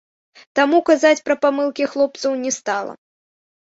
Таму казаць пра памылкі хлопцаў не стала.